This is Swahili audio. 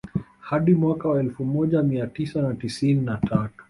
Hadi mwaka wa elfu moja mia tisa na tisini na tatu